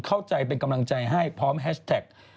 เข้าใจเป็นกำลังใจให้พร้อมแฮชแท็ก